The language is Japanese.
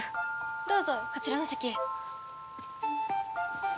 どうぞこちらの席へ。